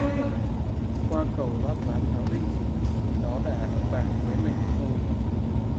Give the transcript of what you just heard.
Qua cầu lát ván tháo đinh, Đó đà ở bạc với mình thì thôi